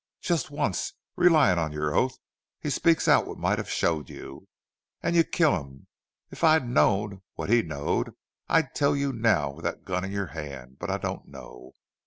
Jest once relyin' on your oath he speaks out what might have showed you. An' you kill him!... If I knowed what he knowed I'd tell you now with thet gun in your hand! But I don't know.